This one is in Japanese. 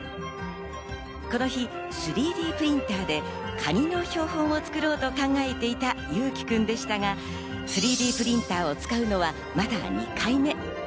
この日、３Ｄプリンターでカニの標本を作ろうと考えていた侑輝くんでしたが、３Ｄプリンターを使うのはまだ２回目。